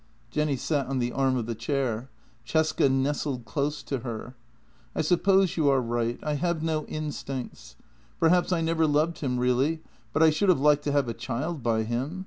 " Jenny sat on the arm of the chair. Cesca nestled close to her: " I suppose you are right — I have no instincts. Perhaps I never loved him really, but I should have liked to have a child by him.